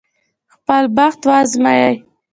خپل بخت وازمايي.